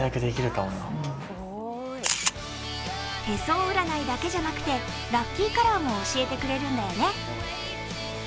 手相占いだけじゃなくて、ラッキーカラーも教えてくれるんだよね。